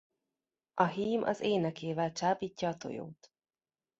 A hím az énekével csábítja a tojót.